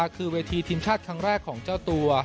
คือเวทีทีมชาติครั้งแรกของเจ้าตัว